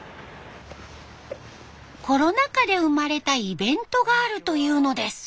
コロナ禍で生まれたイベントがあるというのです。